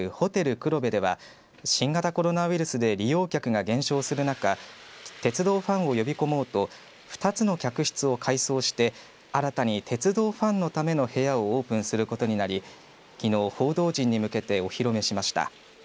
黒部では新型コロナウイルスで利用客が減少する中鉄道ファンを呼び込もうと２つの客室を改装して新たに鉄道ファンのための部屋をオープンすることになりきのう、報道陣に向けてお披露目しました。